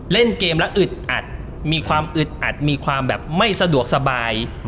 เล่นเกมแล้วอึดอัดมีความอึดอัดมีความแบบไม่สะดวกสบาย